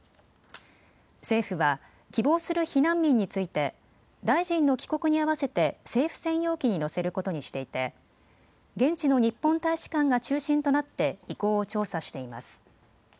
政府は希望する避難民について大臣の帰国に合わせて政府専用機に乗せることにしていて現地の日本大使館が中心となって意向を調査しています。